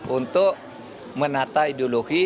untuk menata ideologi